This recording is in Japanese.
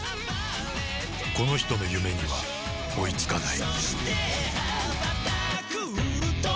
この人の夢には追いつかない